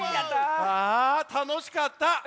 あたのしかった。